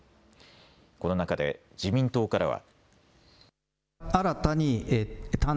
この中で自民党からは。